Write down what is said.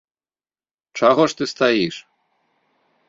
Чаго ж ты стаіш?